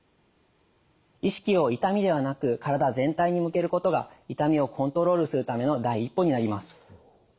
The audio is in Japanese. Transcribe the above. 意識を「痛み」ではなく「からだ全体」に向けることが痛みをコントロールするための第一歩になります。